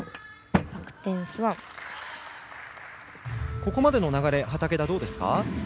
ここまでの流れ、畠田どうですか？